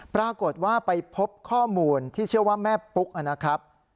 ปรากฏว่าไปพบข้อมูลที่เชื่อว่าแม่ปุ๊กนะครับ